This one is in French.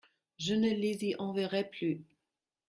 Je ne les y enverrai plus.